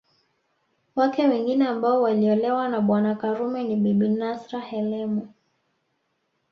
Wake wengine ambao waliolewa na Bwana Karume ni Bibi Nasra Helemu